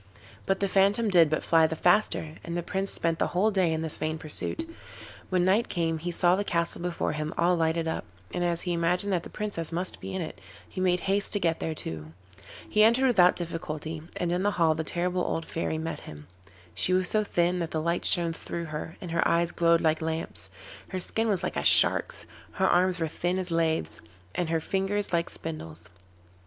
But the phantom did but fly the faster, and the Prince spent the whole day in this vain pursuit. When night came he saw the castle before him all lighted up, and as he imagined that the Princess must be in it, he made haste to get there too. He entered without difficulty, and in the hall the terrible old Fairy met him. She was so thin that the light shone through her, and her eyes glowed like lamps; her skin was like a shark's, her arms were thin as laths, and her fingers like spindles.